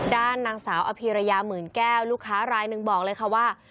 ด้านนางสาวอภิรยาหมื่นแก้วลูกค้ารายหนึ่งบอกเลยค่ะว่า